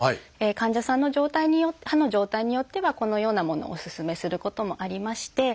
患者さんの状態歯の状態によってはこのようなものをおすすめすることもありまして。